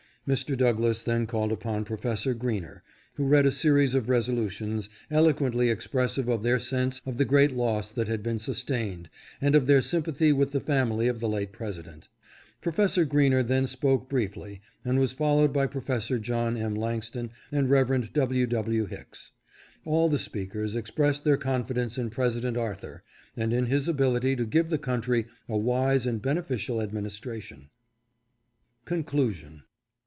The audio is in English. Mr. Douglass then called upon Professor Greener, who read a series of resolutions eloquently expressive of their sense of the great loss that had been sustained and of their sympathy with the family of the late President. Prof. Greener then spoke briefly, and was followed by Prof. John M. Langston and Rev. W. W. Hicks. All the speakers expressed their confidence in President Arthur, and in his ability to give the country a wise and beneficial administration. CONCLUSION.